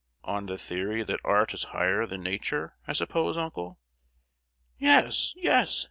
"On the theory that art is higher than nature, I suppose uncle?" "Yes, yes!